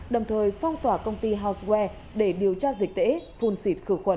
đồng thời phong tỏa công ty honseware để điều tra dịch tễ phun xịt khử khuẩn